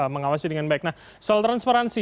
mengawasi dengan baik nah soal transparansi